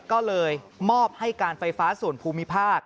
ก็เลยมอบให้การไฟฟ้าส่วนภูมิภาค